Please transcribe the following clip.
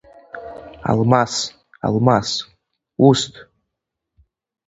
Алмас, Алмас, усҭ!